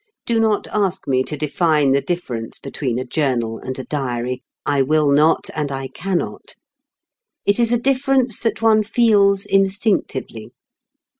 Do not ask me to define the difference between a journal and a diary. I will not and I cannot. It is a difference that one feels instinctively.